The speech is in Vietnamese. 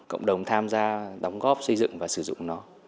cộng đồng tham gia đóng góp xây dựng và sử dụng nó